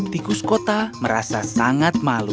tikus kota merasa sangat malu